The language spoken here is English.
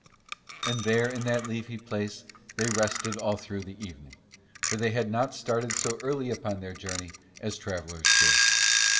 And there in that leafy place they rested all through the evening, for they had not started so early upon their journey as travellers should.